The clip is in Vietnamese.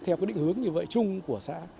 theo cái định hướng như vậy chung của xã